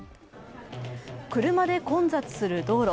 車で混雑する道路。